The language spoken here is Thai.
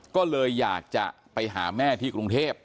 ก็เลยอยากจะไปหาแม่ที่กรุงเทพ